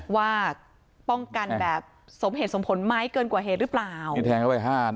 ว่าป้องกันแบบสมเหตุสมผลไหมเกินกว่าเหตุหรือเปล่าที่แทงเข้าไปห้านัด